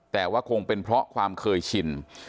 แต่ว่าคงเป็นเพราะความเคยชิน